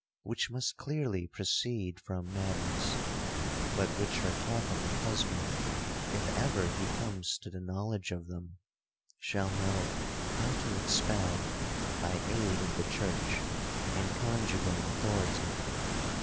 —which must clearly proceed from madness,—but which her Catholic husband, if ever he comes to the knowledge of them, shall know how to expel, by aid of the church, and conjugal authority.